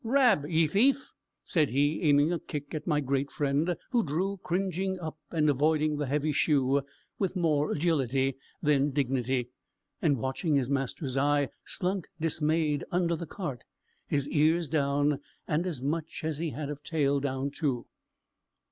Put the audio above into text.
"Rab, ye thief!" said he, aiming a kick at my great friend, who drew cringing up, and avoiding the heavy shoe with more agility than dignity, and watching his master's eye, slunk dismayed under the cart his ears down, and as much as he had of tail down too.